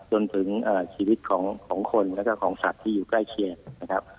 จนถึงชีวิตของคนแล้วก็ของสัตว์ที่อยู่ใกล้เคียงนะครับ